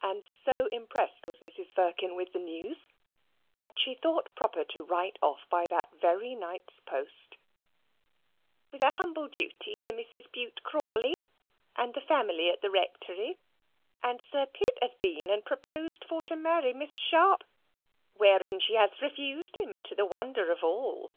And so impressed was Mrs. Firkin with the news, that she thought proper to write off by that very night's post, "with her humble duty to Mrs. Bute Crawley and the family at the Rectory, and Sir Pitt has been and proposed for to marry Miss Sharp, wherein she has refused him, to the wonder of all."